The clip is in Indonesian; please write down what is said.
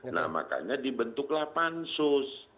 nah makanya dibentuklah pansus